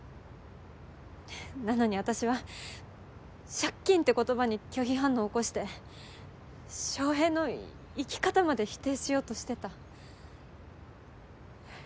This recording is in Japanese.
なのにあたしは借金って言葉に拒否反応起こして翔平の生き方まで否定しようとしてた。